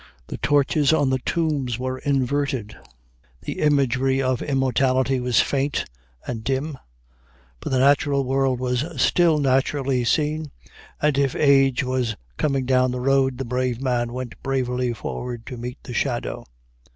The torches on the tombs were inverted, the imagery of immortality was faint and dim; but the natural world was still naturally seen, and, if age was coming down the road, the brave man went bravely forward to meet the shadow.